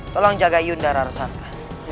tolong jaga yunda rara santang